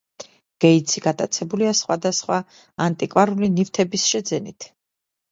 გეიტსი გატაცებულია სხვადასხვა ანტიკვარული ნივთების შეძენით.